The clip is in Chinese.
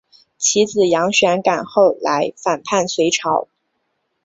其子杨玄感后来反叛隋朝。